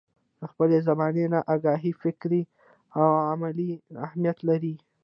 له خپلې زمانې نه اګاهي فکري او عملي اهميت لري.